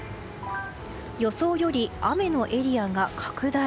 予想より雨のエリアが拡大。